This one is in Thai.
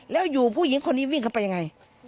แล้วอยู่ผู้หญิงคนนี้วิ่งเข้าไปยังไง